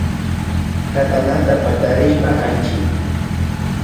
Katana patarishpa allchi